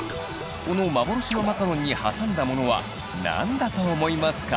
この幻のマカロンに挟んだものは何だと思いますか？